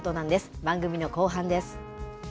番組の後半です。